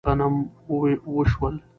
دا ځل دوه څټې غنم وشول